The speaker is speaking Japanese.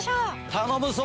頼むぞ！